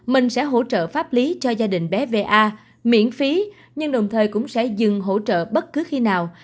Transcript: mình sẽ hỗ trợ pháp lý cho gia đình bé va miễn phí nhưng đồng thời cũng sẽ dừng hỗ trợ bất cứ khi nào